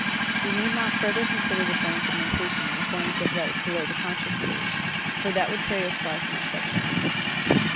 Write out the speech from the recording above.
We need not further consider the forms of mentation in the forms of life below the Conscious stage, for that would carry us far from our subject.